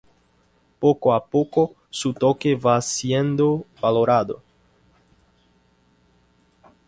Poco a poco, su toque va siendo valorado.